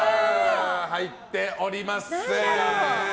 入っておりません。